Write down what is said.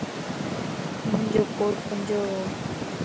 ھنجو ڪوٽ ڪنجووَ